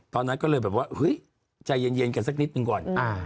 ตอนนั้นก็เลยแบบว่าเฮ้ยใจเย็นกันสักนิดหนึ่งก่อน